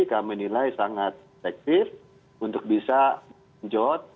kami menilai sangat efektif untuk bisa menjual